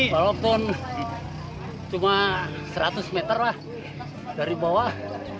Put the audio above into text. walaupun cuma seratus meter lah dari bawah